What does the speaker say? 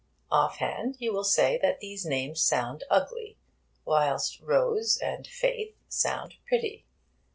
Off hand, you will say that these names sound ugly, whilst Rose and Faith sound pretty.